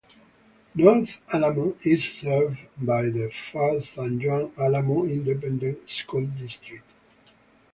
North Alamo is served by the Pharr-San Juan-Alamo Independent School District.